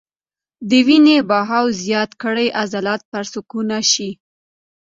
د وينې بهاو زيات کړي عضلات پرسکونه شي -